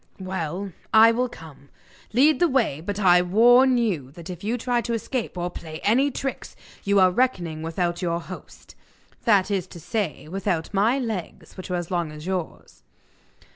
'Well, I will come. Lead the way, but I warn you that if you try to escape or play any tricks you are reckoning without your host that is to say, without my legs, which are as long as yours!